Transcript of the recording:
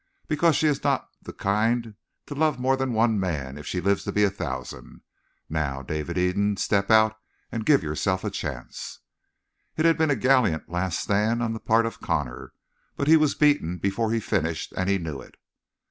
"Because she's not the kind to love more than one man if she lives to be a thousand. Now, David Eden, step out and give yourself a chance!" It had been a gallant last stand on the part of Connor. But he was beaten before he finished, and he knew it.